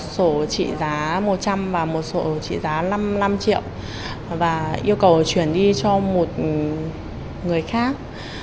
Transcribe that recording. sổ trị giá một trăm linh và một sổ trị giá năm năm triệu và yêu cầu chuyển đi cho một người khác